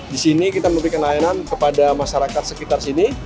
di sini kita memberikan layanan kepada masyarakat sekitar sini